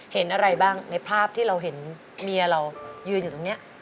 เห็นอะไรบ้างในภาพที่เราเห็นเมียเรายืนอยู่ตรงนี้